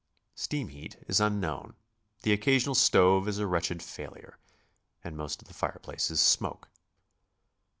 Steam heat is unknown; the occasional stove is a wretched failure; and most of the fire places smoke.